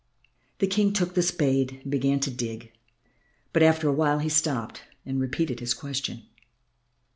The King took the spade and began to dig, but after a while he stopped and repeated his question.